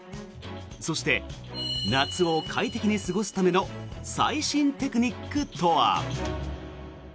そして、夏を快適に過ごすための最新テクニックとは。